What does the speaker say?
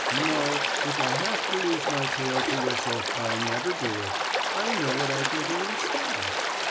No, if I have to lose my tail to whistle I'll never do it. I know what I can do instead."